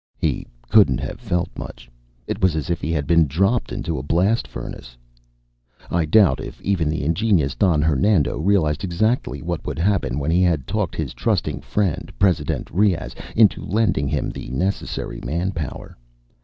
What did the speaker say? He couldn't have felt much; it was as if he had been dropped into a blast furnace ... I doubt if even the ingenious Don Hernando realized exactly what would happen when he had talked his trusting friend, Presi dent Riaz, into lending him the necessary manpower.